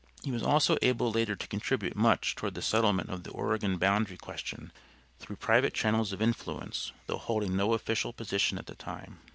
He was also able later to contribute much toward the settlement of the Oregon boundary question through private channels of influence, though holding no official position at the time.